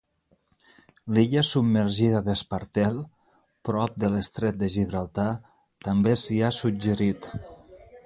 L'illa submergida d'Espartel, prop de l'Estret de Gibraltar, també s'hi ha suggerit.